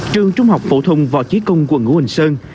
trường trung học phổ thông vò chí công quận ngũ hành sơn